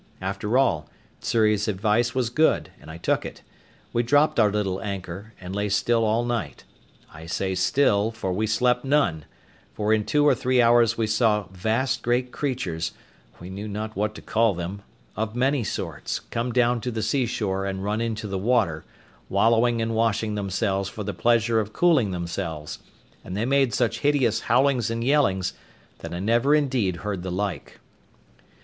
After all, Xury's advice was good, and I took it; we dropped our little anchor, and lay still all night; I say still, for we slept none; for in two or three hours we saw vast great creatures (we knew not what to call them) of many sorts, come down to the sea shore and run into the water, wallowing and washing themselves for the pleasure of cooling themselves; and they made such hideous howlings and yellings, that I never indeed heard the like.